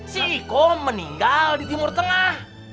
si kom meninggal di timur tengah